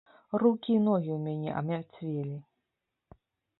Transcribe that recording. Рукі і ногі ў мяне амярцвелі.